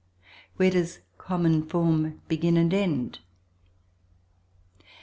Where does common form begin and end?